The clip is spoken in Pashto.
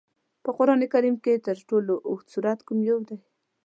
په قرآن کریم کې تر ټولو لوږد سورت کوم یو دی؟